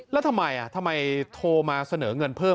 แล้วทำไมทำไมโทรมาเสนอเงินเพิ่ม